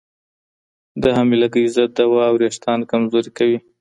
د حاملګي ضد دوا وریښتان کمزوري کوي.